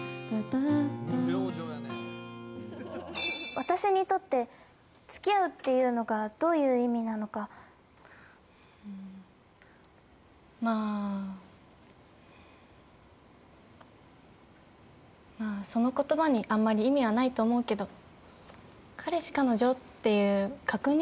私にとってつきあうっていうのがどういう意味なのかまぁ、その言葉にあんまり意味はないと思うけど、彼氏、彼女っていう確認？